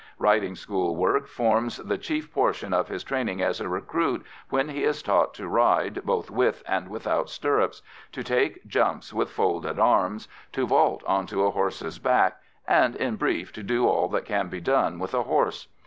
Riding school work forms the chief portion of his training as a recruit, when he is taught to ride both with and without stirrups, to take jumps with folded arms, to vault on to a horse's back, and, in brief, to do all that can be done with a horse.